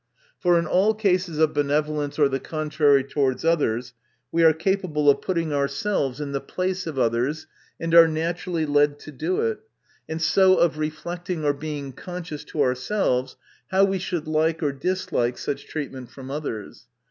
For in all cases of benevo lence or the contrary towards others, we are capable of putting ourselves in the place of others, and are naturally led to do it, and so of reflecting, or being con scious to ourselves, how we should like or dislike such treatment from others.